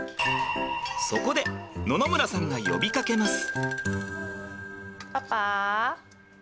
そこで野々村さんが呼びかけます。